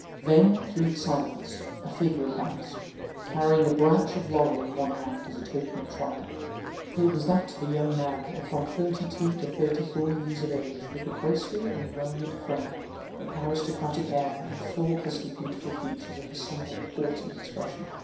Then, through the silence, a figure advanced, carrying a branch of laurel in one hand as a token of triumph. It was that of a young man of from thirty two to thirty four years of age, with a graceful and well knit frame, an aristocratic air and faultlessly beautiful features of a somewhat haughty expression.